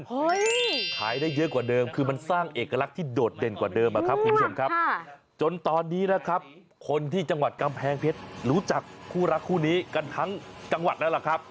ขายได้เยอะกว่าเดิมคือมันสร้างเอกลักษณ์ที่โดดเด่นกว่าเดิมนะครับคุณผู้ชมครับจนตอนนี้นะครับคนที่จังหวัดกำแพงเพชรรู้จักคู่รักคู่นี้กันทั้งจังหวัดแล้วล่ะครับ